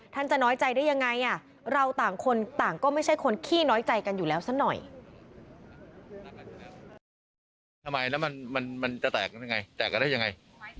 จะน้อยใจได้ยังไงเราต่างคนต่างก็ไม่ใช่คนขี้น้อยใจกันอยู่แล้วสักหน่อย